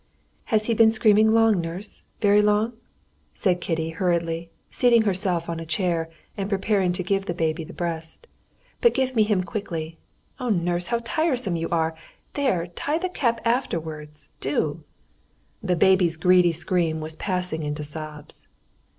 "Has he been screaming long, nurse, very long?" said Kitty hurriedly, seating herself on a chair, and preparing to give the baby the breast. "But give me him quickly. Oh, nurse, how tiresome you are! There, tie the cap afterwards, do!" The baby's greedy scream was passing into sobs.